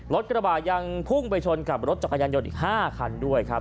กระบาดยังพุ่งไปชนกับรถจักรยานยนต์อีก๕คันด้วยครับ